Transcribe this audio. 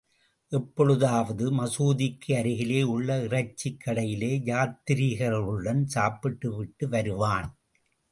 எப்பொழுதாவது மசூதிக்கு அருகிலே உள்ள இறைச்சிக் கடையிலே யாத்திரீகர்களுடன் சாப்பிட்டு விட்டு வருவான்.